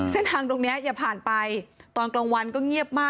เส้นทางตรงนี้อย่าผ่านไปตอนกลางวันก็เงียบมาก